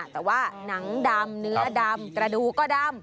แต่ว่าหนังดำเนื้อดำกระดูกก็ดำ